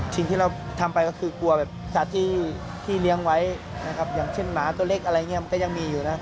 สิ่งที่เราทำไปก็คือกลัวแบบสัตว์ที่เลี้ยงไว้นะครับอย่างเช่นหมาตัวเล็กอะไรอย่างนี้มันก็ยังมีอยู่นะ